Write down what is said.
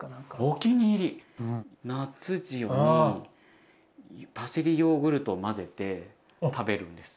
お気に入りナッツ塩にパセリヨーグルトを混ぜて食べるんです。